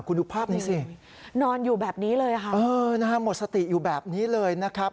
คุณดูภาพนี้สินอนอยู่แบบนี้เลยค่ะเออนะฮะหมดสติอยู่แบบนี้เลยนะครับ